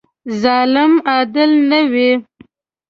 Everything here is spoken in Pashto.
ظالم عادل نه وي.